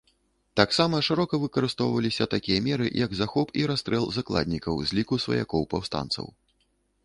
Таксама шырока выкарыстоўваліся такія меры, як захоп і расстрэл закладнікаў з ліку сваякоў паўстанцаў.